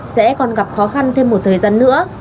sẽ còn gặp khó khăn thêm một thời gian nữa